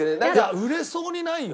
売れそうにないよ